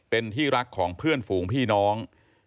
เป็นที่รักของเพื่อนฝูงพี่น้อง